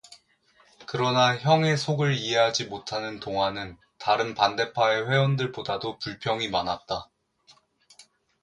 그러나 형의 속을 이해하지 못하는 동화는 다른 반대파의 회원들보다도 불평이 많았다.